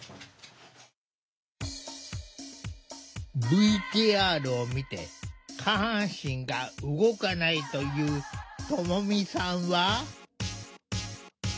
ＶＴＲを見て下半身が動かないというともみさんは。